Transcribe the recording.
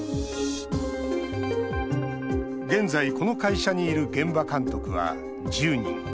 現在、この会社にいる現場監督は１０人。